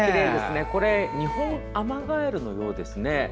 これはニホンアマガエルのようですね。